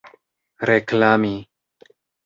reklami